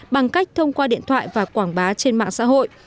bằng cách thông qua điện thoại và quảng bá trên mạng xã hội